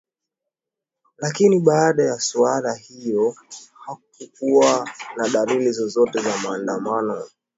lakini baada ya suala hiyo hakukuwa na dalili zozote za maandamano